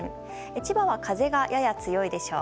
千葉は風がやや強いでしょう。